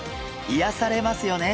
いやされますよね。